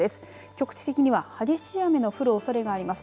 局地的には激しい雨の降るおそれがあります。